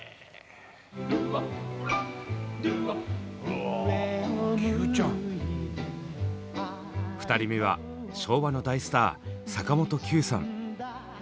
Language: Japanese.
うわその瞬間に２人目は昭和の大スター坂本九さん。